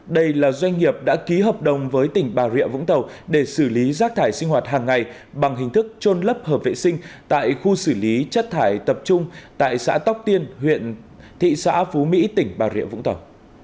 đây là doanh nghiệp đã ký hợp đồng với tỉnh bà rịa vũng tàu để xử lý rác thải sinh hoạt hàng ngày bằng hình thức trôn lấp hợp vệ sinh tại khu xử lý chất thải tập trung tại xã tóc tiên huyện thị xã phú mỹ tỉnh bà rịa vũng tàu